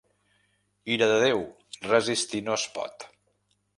Ira de Déu resistir no es pot.